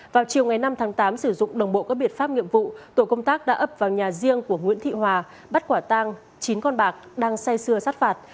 vào chiều ngày năm tháng tám sử dụng đồng bộ các biệt pháp nghiệm vụ tổ công tác đã ấp vào nhà riêng của nguyễn thị hoa bắt quả tang chín con bạc đang say xưa sát phạt